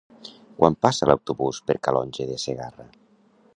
Quan passa l'autobús per Calonge de Segarra?